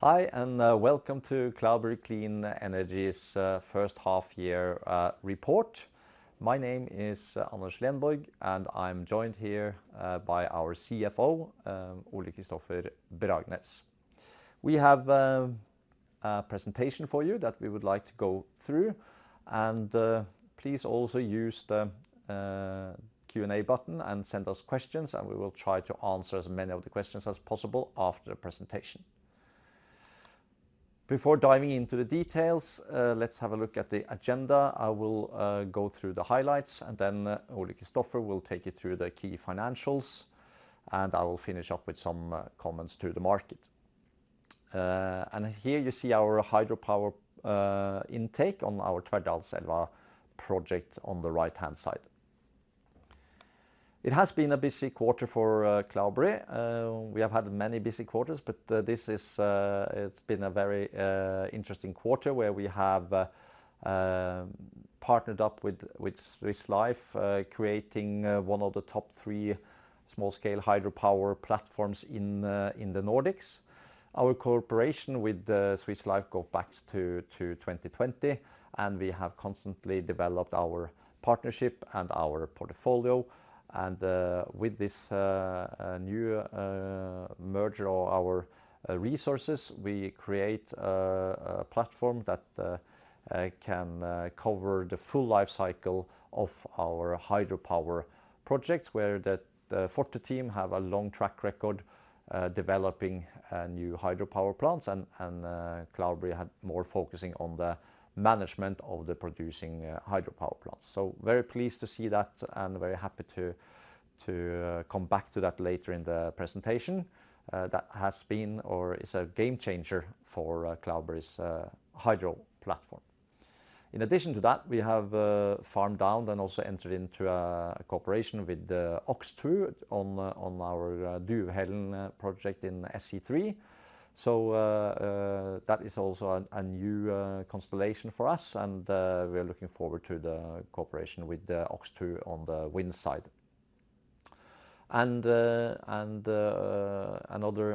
Hi, and welcome to Cloudberry Clean Energy's first half-year report. My name is Anders Lenborg, and I'm joined here by our CFO, Ole-Kristofer Bragnes. We have a presentation for you that we would like to go through. Please also use the Q&A button and send us questions, and we will try to answer as many of the questions as possible after the presentation. Before diving into the details, let's have a look at the agenda. I will go through the highlights, and then Ole-Kristofer will take you through the key financials. I will finish up with some comments to the market. Here you see our hydropower intake on our Tverrdalselvi project on the right-hand side. It has been a busy quarter for Cloudberry. We have had many busy quarters, but this has been a very interesting quarter where we have partnered up with Swiss Life, creating one of the top three small-scale hydropower platforms in the Nordics. Our cooperation with Swiss Life goes back to 2020, and we have constantly developed our partnership and our portfolio. With this new merger of our resources, we create a platform that can cover the full life cycle of our hydropower projects, where the Forte team has a long track record developing new hydropower plants, and Cloudberry is more focusing on the management of the producing hydropower plants. Very pleased to see that and very happy to come back to that later in the presentation. That has been or is a game changer for Cloudberry's hydro platform. In addition to that, we have farmed out and also entered into a cooperation with OX2 on our Duvhällen project in SE-3. That is also a new constellation for us, and we're looking forward to the cooperation with OX2 on the wind side. Another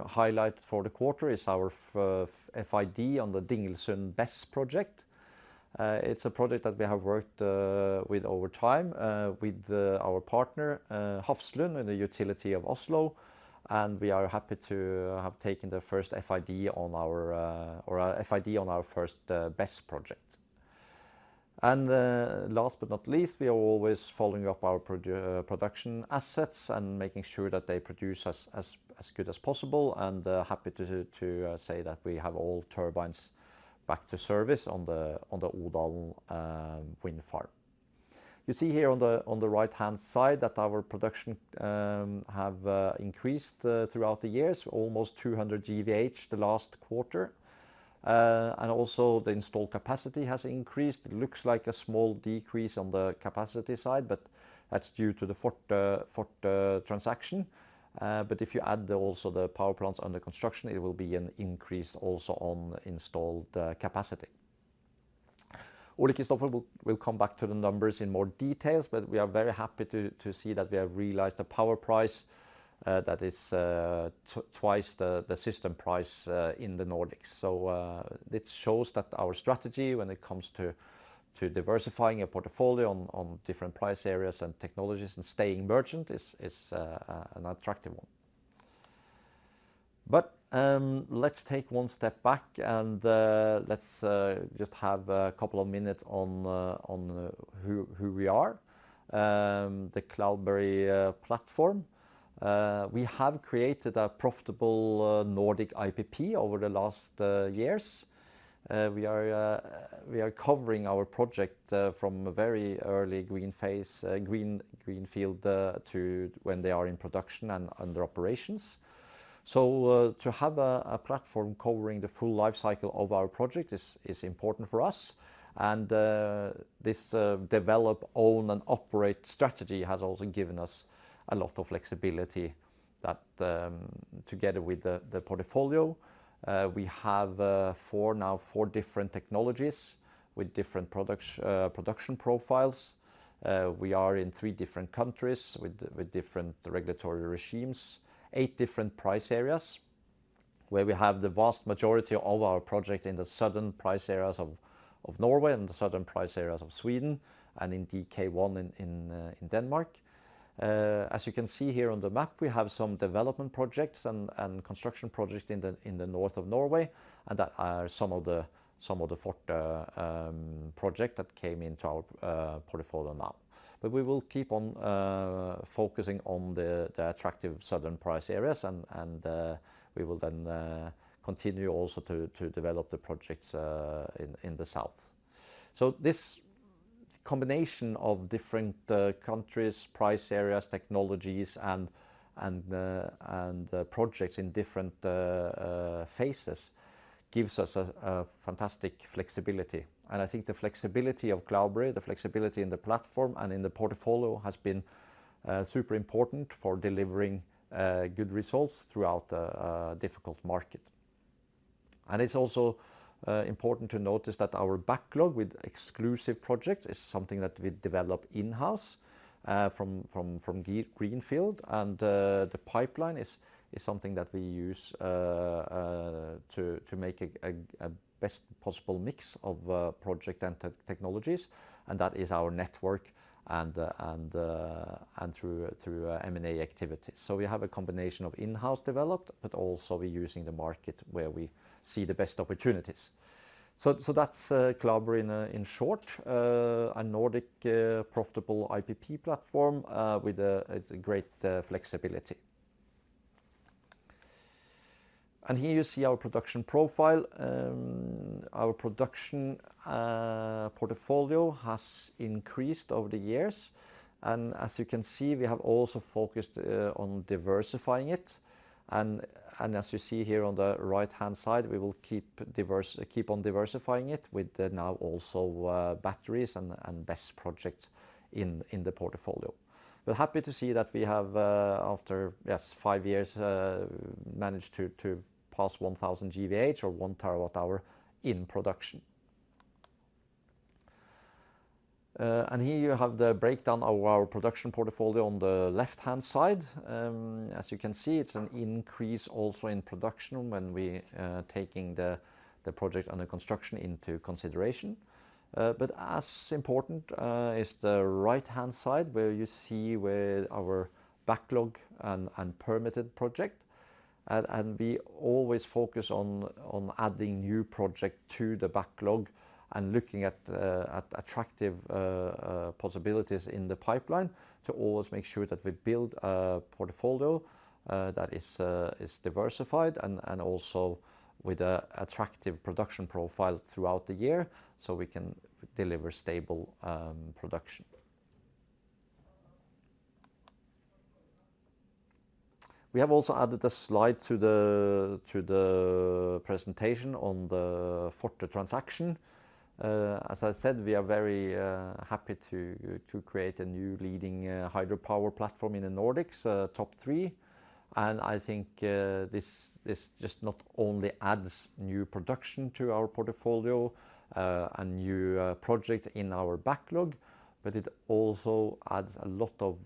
highlight for the quarter is our FID on the Dingelsundet BESS project. It's a project that we have worked with over time with our partner, Hafslund, in the utility of Oslo, and we are happy to have taken the first FID on our first BESS project. Last but not least, we are always following up our production assets and making sure that they produce as good as possible, and happy to say that we have all turbines back to service on the Odin Wind Farm. You see here on the right-hand side that our production has increased throughout the years, almost 200 GWh the last quarter. Also the installed capacity has increased. It looks like a small decrease on the capacity side, but that's due to the Forte transaction. If you add also the power plants under construction, it will be an increase also on installed capacity. Ole-Kristofer will come back to the numbers in more detail, but we are very happy to see that we have realized the power price that is twice the system price in the Nordics. This shows that our strategy, when it comes to diversifying your portfolio on different price areas and technologies and staying merchant, is an attractive one. Let's take one step back and just have a couple of minutes on who we are, the Cloudberry platform. We have created a profitable Nordic IPP over the last years. We are covering our project from a very early green phase greenfield to when they are in production and under operations. To have a platform covering the full life cycle of our project is important for us. This develop, own, and operate strategy has also given us a lot of flexibility that together with the portfolio, we have now four different technologies with different production profiles. We are in three different countries with different regulatory regimes, eight different price areas, where we have the vast majority of our project in the southern price areas of Norway and the southern price areas of Sweden and in DK1 in Denmark. As you can see here on the map, we have some development projects and construction projects in the north of Norway, and that are some of the Forte projects that came into our portfolio now. We will keep on focusing on the attractive southern price areas, and we will then continue also to develop the projects in the south. This combination of different countries, price areas, technologies, and projects in different phases gives us a fantastic flexibility. I think the flexibility of Cloudberry, the flexibility in the platform and in the portfolio has been super important for delivering good results throughout a difficult market. It's also important to notice that our backlog with exclusive projects is something that we develop in-house from greenfield. The pipeline is something that we use to make a best possible mix of project and technologies, and that is our network and through M&A activities. We have a combination of in-house developed, but also we're using the market where we see the best opportunities. That's Cloudberry in short, a Nordic profitable IPP platform with a great flexibility. Here you see our production profile. Our production portfolio has increased over the years. As you can see, we have also focused on diversifying it. As you see here on the right-hand side, we will keep on diversifying it with now also batteries and BESS projects in the portfolio. We're happy to see that we have, after, yes, five years, managed to pass 1,000 GWh or 1 TW hour in production. Here you have the breakdown of our production portfolio on the left-hand side. As you can see, it's an increase also in production when we are taking the project under construction into consideration. Just as important is the right-hand side, where you see our backlog and permitted project, and we always focus on adding new projects to the backlog and looking at attractive possibilities in the pipeline to always make sure that we build a portfolio that is diversified and also with an attractive production profile throughout the year so we can deliver stable production. We have also added a slide to the presentation on the Forte transaction. As I said, we are very happy to create a new leading hydropower platform in the Nordics, top three. I think this just not only adds new production to our portfolio and new projects in our backlog, but it also adds a lot of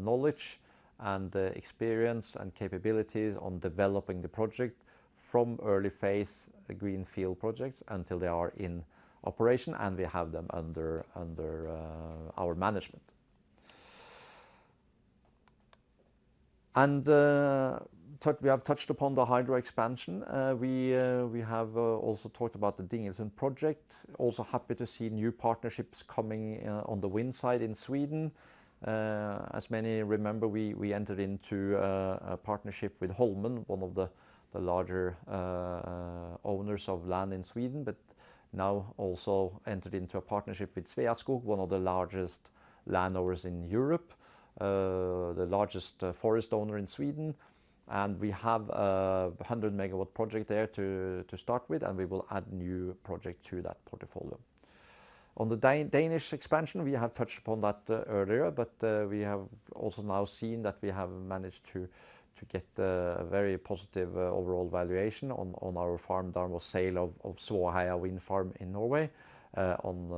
knowledge and experience and capabilities on developing the project from early phase greenfield projects until they are in operation and we have them under our management. We have touched upon the hydro expansion. We have also talked about the Dingelsundet project. Also happy to see new partnerships coming on the wind side in Sweden. As many remember, we entered into a partnership with Holmen, one of the larger owners of land in Sweden, but now also entered into a partnership with Sveaskog, one of the largest landowners in Europe, the largest forest owner in Sweden. We have a 100 MW project there to start with, and we will add new projects to that portfolio. On the Danish expansion, we have touched upon that earlier, but we have also now seen that we have managed to get a very positive overall valuation on our farmed out sale of Svåheia wind farm in Norway, on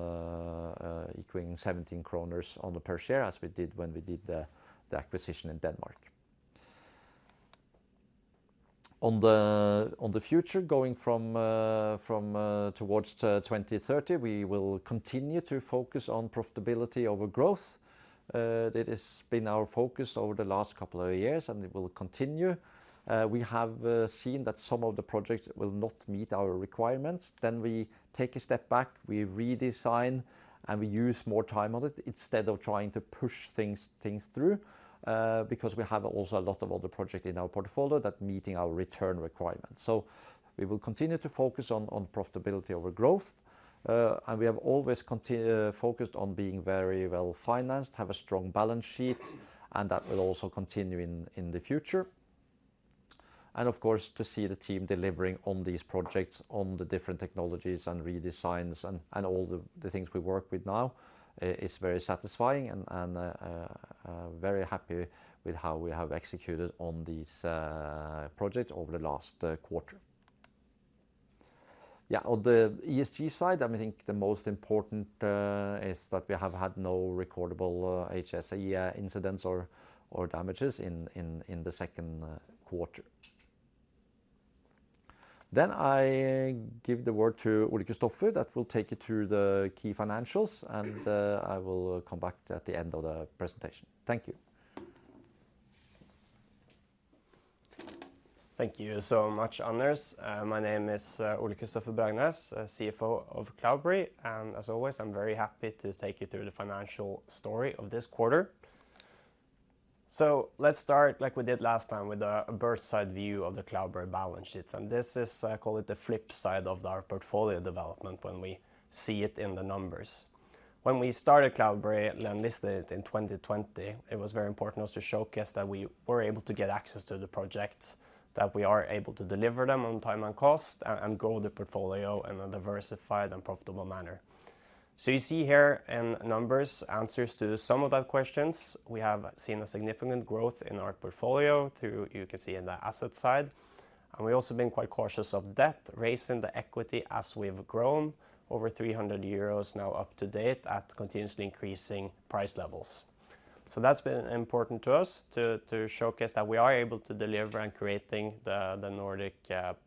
equating 17 kroners on the per share as we did when we did the acquisition in Denmark. For the future, going towards 2030, we will continue to focus on profitability over growth. It has been our focus over the last couple of years, and it will continue. We have seen that some of the projects will not meet our requirements. We take a step back, we redesign, and we use more time on it instead of trying to push things through because we have also a lot of other projects in our portfolio that meet our return requirements. We will continue to focus on profitability over growth. We have always focused on being very well financed, have a strong balance sheet, and that will also continue in the future. Of course, to see the team delivering on these projects, on the different technologies and redesigns and all the things we work with now is very satisfying and very happy with how we have executed on these projects over the last quarter. On the ESG side, I think the most important is that we have had no recordable HSE incidents or damages in the second quarter. I give the word to Ole-Kristofer that will take you through the key financials, and I will come back at the end of the presentation. Thank you. Thank you so much, Anders. My name is Ole-Kristofer Bragnes, CFO of Cloudberry. As always, I'm very happy to take you through the financial story of this quarter. Let's start like we did last time with a bird's eye view of the Cloudberry balance sheets. This is, I call it, the flip side of our portfolio development when we see it in the numbers. When we started Cloudberry and listed it in 2020, it was very important to showcase that we were able to get access to the projects, that we are able to deliver them on time and cost and grow the portfolio in a diversified and profitable manner. You see here in numbers answers to some of the questions. We have seen a significant growth in our portfolio too, you can see in the asset side. We've also been quite cautious of debt, raising the equity as we've grown over 300 euros now up to date at continuously increasing price levels. That's been important to us to showcase that we are able to deliver and create the Nordic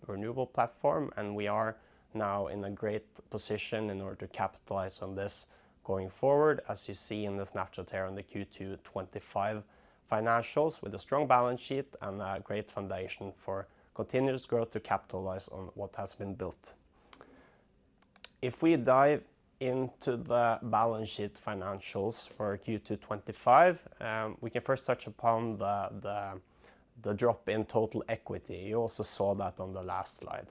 renewable platform. We are now in a great position in order to capitalize on this going forward, as you see in this natural tear on the Q2 2025 financials with a strong balance sheet and a great foundation for continuous growth to capitalize on what has been built. If we dive into the balance sheet financials for Q2 2025, we can first touch upon the drop in total equity. You also saw that on the last slide.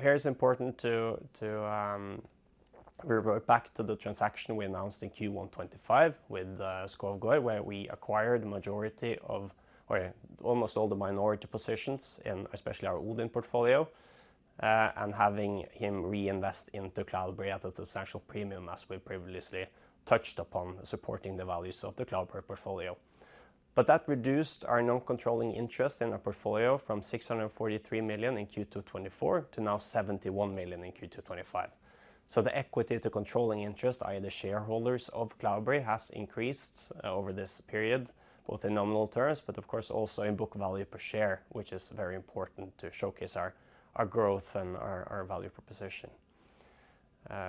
Here it's important to revert back to the transaction we announced in Q1 2025 with Skovgaard, where we acquired the majority of, or almost all the minority positions in especially our Odin portfolio, and having him reinvest into Cloudberry at a substantial premium as we previously touched upon supporting the values of the Cloudberry portfolio. That reduced our non-controlling interest in our portfolio from 643 million in Q2 2024 to now 71 million in Q2 2025. The equity to controlling interest either shareholders of Cloudberry has increased over this period, both in nominal terms, but of course also in book value per share, which is very important to showcase our growth and our value proposition.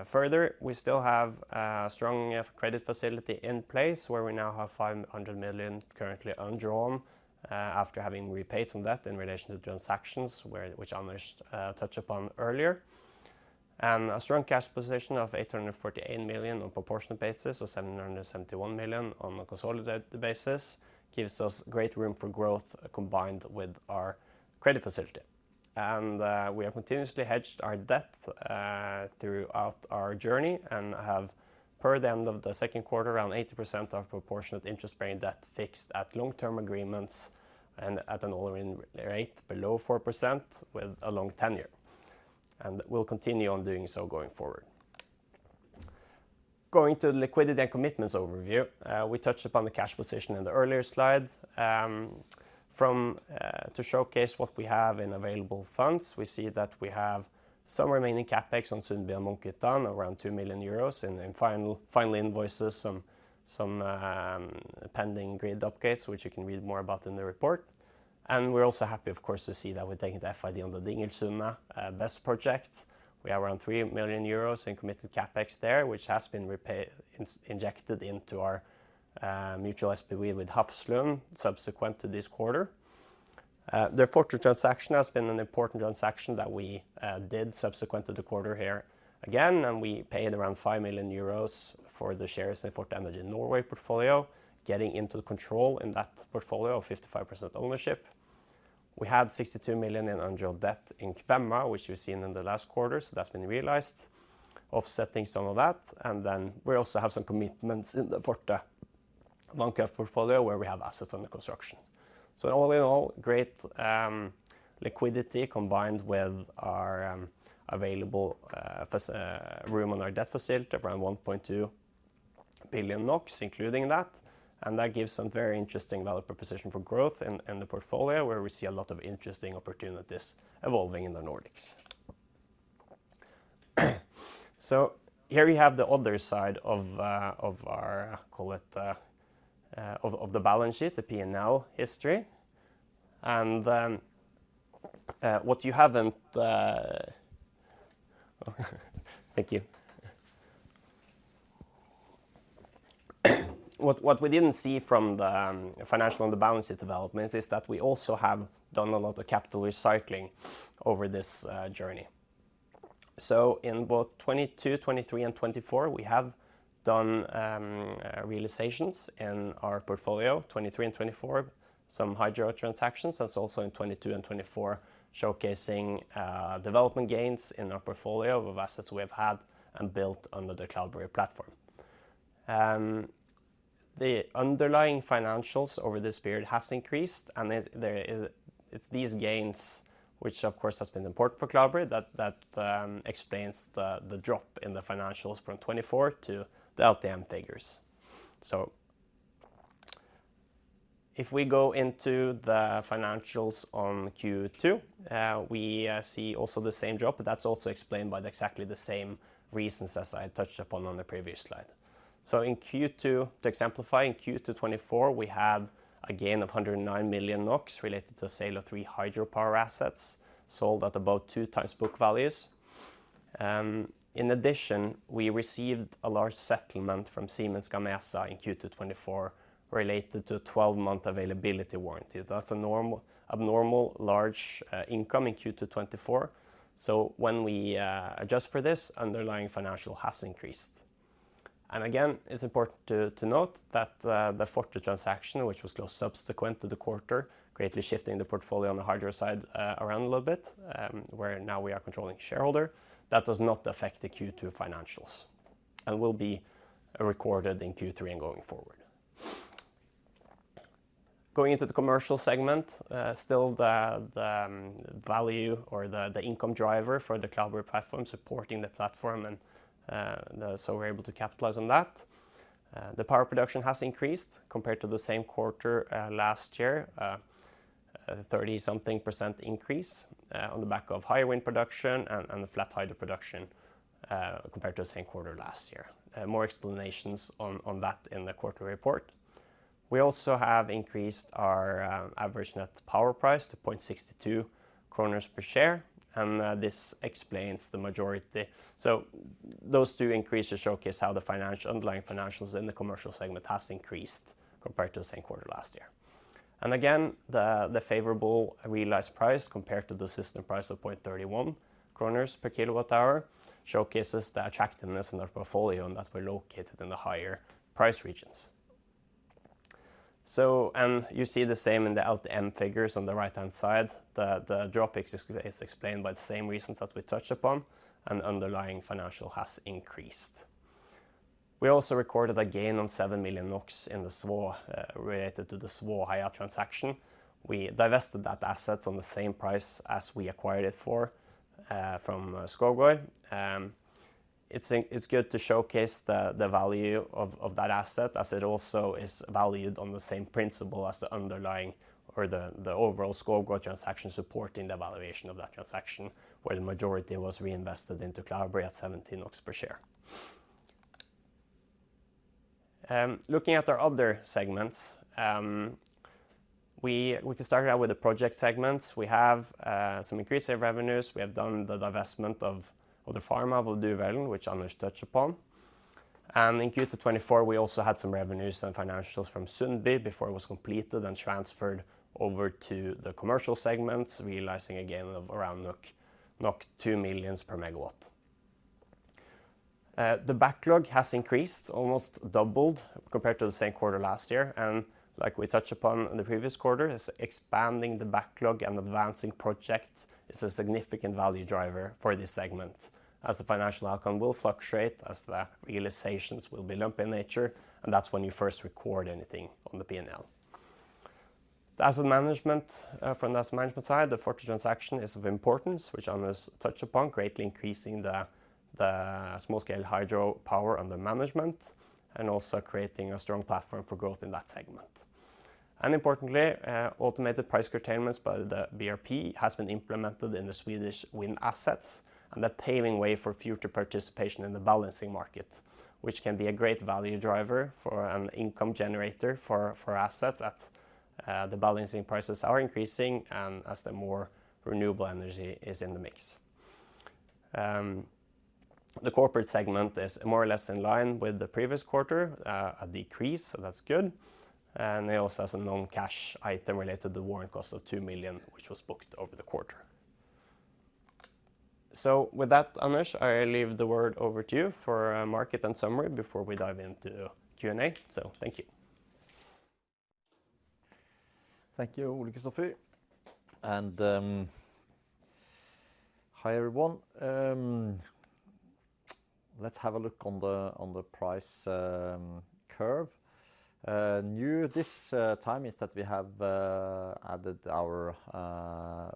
Further, we still have a strong credit facility in place where we now have 500 million currently undrawn after having repaid some debt in relation to the transactions which Anders touched upon earlier. A strong cash position of 848 million on a proportional basis or 771 million on a consolidated basis gives us great room for growth combined with our credit facility. We have continuously hedged our debt throughout our journey and have, per the end of the second quarter, around 80% of proportionate interest-bearing debt fixed at long-term agreements and at an all-in rate below 4% with a long tenure. We'll continue on doing so going forward. Going to the liquidity and commitments overview, we touched upon the cash position in the earlier slide. To showcase what we have in available funds, we see that we have some remaining CapEx on Sundby Munkhyttan, around EUR 2 million in final invoices, some pending grid upgrades, which you can read more about in the report. We're also happy, of course, to see that we're taking the FID on the Dingelsundet BESS project. We have around 3 million euros in committed CapEx there, which has been injected into our mutual SPV with Hafslund subsequent to this quarter. The Forte transaction has been an important transaction that we did subsequent to the quarter here again, and we paid around 5 million euros for the shares in the Forte Energy Norway portfolio, getting into the control in that portfolio of 55% ownership. We had 62 million in undrawn debt in Kvemma, which we've seen in the last quarter, so that's been realized, offsetting some of that. We also have some commitments in the Forte Munkhyttan portfolio where we have assets under construction. All in all, great liquidity combined with our available room on our deficit of around 1.2 billion NOK, including that. That gives a very interesting value proposition for growth in the portfolio where we see a lot of interesting opportunities evolving in the Nordics. Here we have the other side of our, call it, of the balance sheet, the P&L history. What we didn't see from the financial and the balance sheet development is that we also have done a lot of capital recycling over this journey. In both 2022, 2023, and 2024, we have done realizations in our portfolio, 2023 and 2024, some hydro transactions. That's also in 2022 and 2024, showcasing development gains in our portfolio of assets we have had and built under the Cloudberry platform. The underlying financials over this period have increased, and it's these gains, which of course have been important for Cloudberry, that explains the drop in the financials from 2024 to the LTM figures. If we go into the financials on Q2, we see also the same drop, but that's also explained by exactly the same reasons as I touched upon on the previous slide. In Q2, to exemplify, in Q2 2024, we have a gain of 109 million NOK related to a sale of three hydropower assets sold at about two times book values. In addition, we received a large settlement from Siemens Gamesa in Q2 2024 related to a 12-month availability warranty. That's an abnormally large income in Q2 2024. When we adjust for this, underlying financial has increased. It's important to note that the Forte transaction, which was closed subsequent to the quarter, greatly shifting the portfolio on the hydro side around a little bit, where now we are controlling shareholder, does not affect the Q2 financials and will be recorded in Q3 and going forward. Going into the commercial segment, still the value or the income driver for the Cloudberry platform supporting the platform, and we're able to capitalize on that. The power production has increased compared to the same quarter last year, a 30% something increase on the back of high wind production and the flat hydro production compared to the same quarter last year. More explanations on that in the quarterly report. We also have increased our average net power price to 0.62 kroner per share, and this explains the majority. Those two increases showcase how the underlying financials in the commercial segment have increased compared to the same quarter last year. The favorable realized price compared to the system price of 0.31 kroner per kW hour showcases the attractiveness in our portfolio and that we're located in the higher price regions. You see the same in the LTM figures on the right-hand side. The drop is explained by the same reasons that we touched upon, and underlying financial has increased. We also recorded a gain of 7 million NOK related to the Svåheia transaction. We divested that asset on the same price as we acquired it for from Skovgaard. It's good to showcase the value of that asset as it also is valued on the same principle as the underlying or the overall Skovgaard transaction supporting the valuation of that transaction where the majority was reinvested into Cloudberry at NOK 17 per share. Looking at our other segments, we can start out with the project segments. We have some increasing revenues. We have done the divestment of the farm of Duvhällen, which Anders touched upon. In Q2 2024, we also had some revenues and financials from Sundby before it was completed and transferred over to the commercial segments, realizing a gain of around 2 million per MW. The backlog has increased, almost doubled compared to the same quarter last year. Like we touched upon in the previous quarter, expanding the backlog and advancing projects is a significant value driver for this segment as the financial outcome will fluctuate as the realizations will be lump in nature, and that's when you first record anything on the P&L. From the asset management side, the Forte transaction is of importance, which Anders touched upon, greatly increasing the small-scale hydropower under management and also creating a strong platform for growth in that segment. Importantly, automated price curtailments by the BRP have been implemented in the Swedish wind assets, paving way for future participation in the balancing market, which can be a great value driver and an income generator for assets as the balancing prices are increasing and as more renewable energy is in the mix. The corporate segment is more or less in line with the previous quarter, a decrease, so that's good. It also has a non-cash item related to the warrant cost of 2 million, which was booked over the quarter. With that, Anders, I leave the word over to you for a market and summary before we dive into Q&A. Thank you. Thank you, Ole-Kristofer. Hi everyone. Let's have a look on the price curve. New this time is that we have added our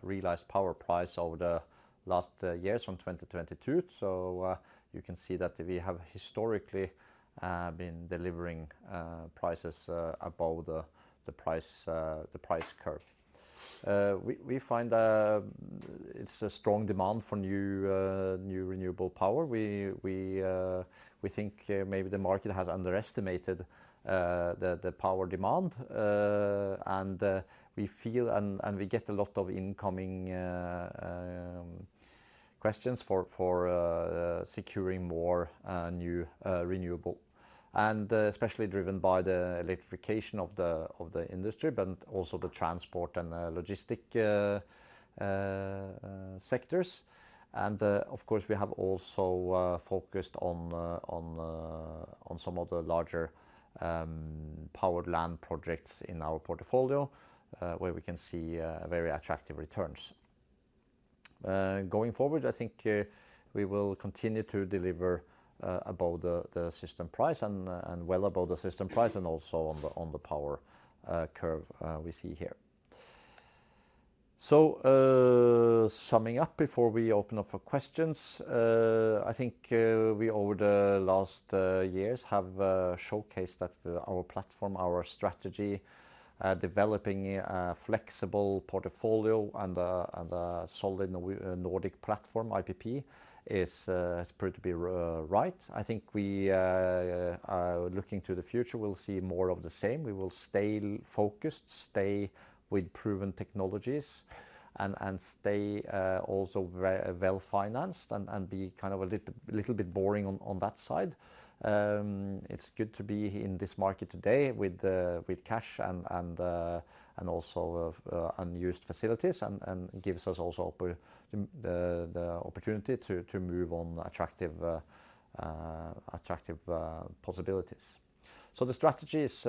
realized power price over the last years from 2022. You can see that we have historically been delivering prices above the price curve. We find that it's a strong demand for new renewable power. We think maybe the market has underestimated the power demand. We feel and we get a lot of incoming questions for securing more new renewable, especially driven by the electrification of the industry, but also the transport and logistic sectors. Of course, we have also focused on some of the larger powered land projects in our portfolio where we can see very attractive returns. Going forward, I think we will continue to deliver above the system price and well above the system price and also on the power curve we see here. Summing up before we open up for questions, I think we over the last years have showcased that our platform, our strategy, developing a flexible portfolio and a solid Nordic platform IPP is proved to be right. I think we are looking to the future. We'll see more of the same. We will stay focused, stay with proven technologies, and stay also well financed and be kind of a little bit boring on that side. It's good to be in this market today with cash and also unused facilities and gives us also the opportunity to move on attractive possibilities. The strategy is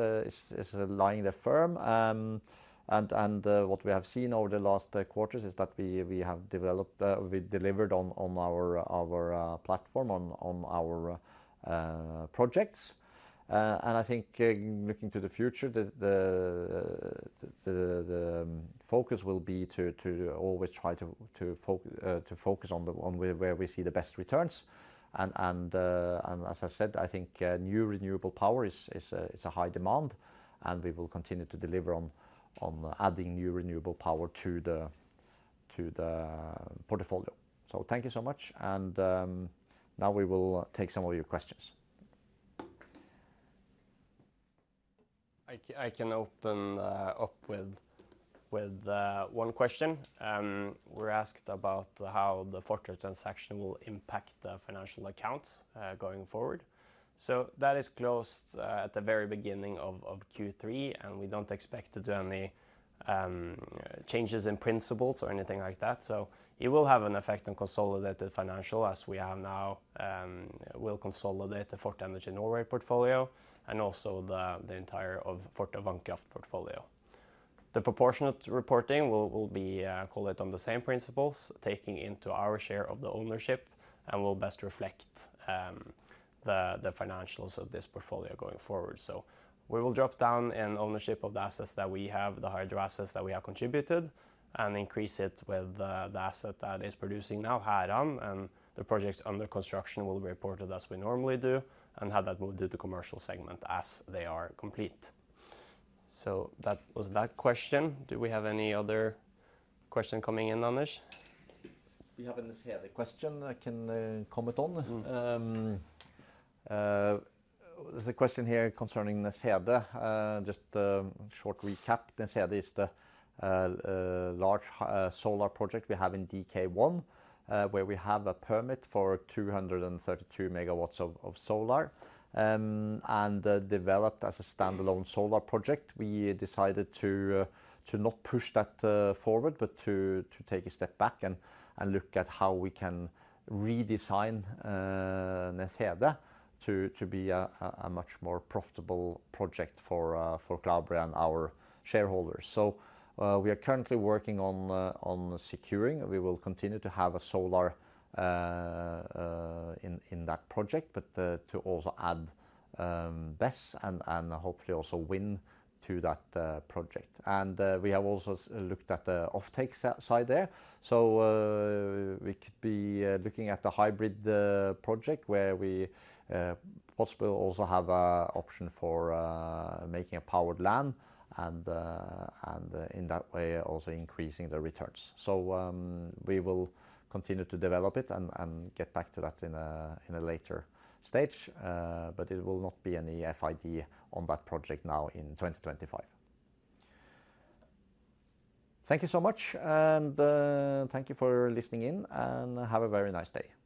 lying there firm. What we have seen over the last quarters is that we have developed, we delivered on our platform, on our projects. I think looking to the future, the focus will be to always try to focus on where we see the best returns. As I said, I think new renewable power is a high demand, and we will continue to deliver on adding new renewable power to the portfolio. Thank you so much. Now we will take some of your questions. I can open up with one question. We're asked about how the Forte transaction will impact the financial accounts going forward. That is closed at the very beginning of Q3, and we don't expect to do any changes in principles or anything like that. It will have an effect on consolidated financials as we have now. We'll consolidate the Forte Energy Norway portfolio and also the entire Forte Vannkraft portfolio. The proportionate reporting will be called on the same principles, taking into our share of the ownership and will best reflect the financials of this portfolio going forward. We will drop down in ownership of the assets that we have, the hydro assets that we have contributed, and increase it with the asset that is producing now higher on. The projects under construction will be reported as we normally do and have that move to the commercial segment as they are complete. That was that question. Do we have any other questions coming in, Anders? We have a Nees Hede question I can come to. There's a question here regarding Nees Hede. Just a short summary. Nees Hede is a large solar project. We have in DK1 where we have a permit for 232 MW of solar. It's a standalone solar project. We've decided not to push it forward, but to take a step back and see how we can redesign Nees Hede to become a much more profitable project for Cloudberry and our shareholders. We're currently working on securing. We will continue to have solar in the project, but also to have BESS and hopefully also wind in the project. We've also looked at the offtake side. We can look at a hybrid project where we hopefully also have an opportunity to create a powered land, and in that way also increase returns. We will continue to develop it and come back to it at a later stage. It will not be a FID on the project now in 2025. Thank you so much and thank you for listening. Have a very nice day.